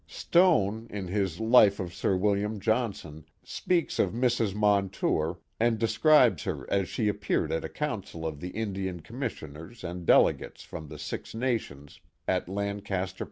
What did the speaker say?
Stone, in his life of Sir Wil liam Johnson, speaks of Mrs. Montour, and describes her as she appeared at a council of the Indian Commissioners and delegates from the Six Nations, at Lancaster, Pa.